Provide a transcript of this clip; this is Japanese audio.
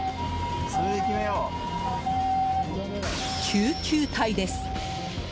救急隊です。